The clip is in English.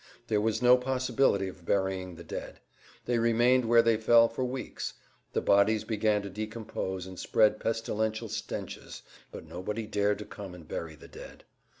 There was no possibility of burying the dead. They remained where they fell for weeks. The bodies began to decompose and spread pestilential stenches, but nobody dared to come and bury the dead.